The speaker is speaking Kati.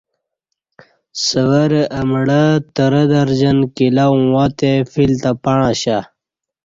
سورہ اہ مڑہ ترہ درجن کیلہ اوݣہ تے فیل تہ پݩع اشہ